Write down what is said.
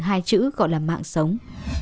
hai chữ gọi là mạng sống